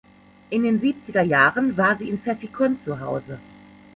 In den siebziger Jahren war sie in Pfäffikon zu Hause.